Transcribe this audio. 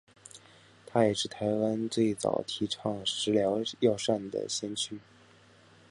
他也是台湾最早提倡食疗药膳的先驱。